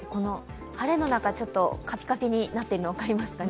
晴れの中、ちょっとカピカピになっているの分かりますかね。